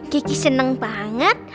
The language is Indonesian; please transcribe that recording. kiki seneng banget